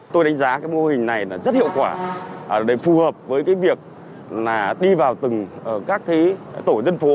tôi đánh giá mô hình này rất hiệu quả phù hợp với việc đi vào từng tổ dân phố